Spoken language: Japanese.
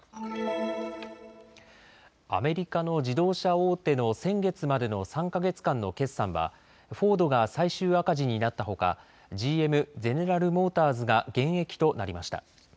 アメリカの自動車大手の先月までの３か月間の決算はフォードが最終赤字になったほかＧＭ・ゼネラルモーターズが減益となりました。